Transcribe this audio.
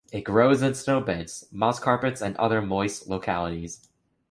It grows in snowbeds, moss carpets and other moist localities.